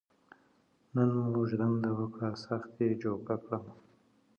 نن مو ژرنده وکړه سخت یې جوکه کړم.